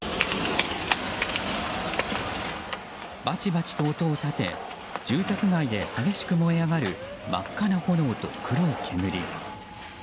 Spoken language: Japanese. バチバチと音を立て住宅街で激しく燃え上がる真っ赤な炎と黒い煙。